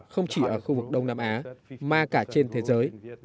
không chỉ ở khu vực đông nam á mà cả trên thế giới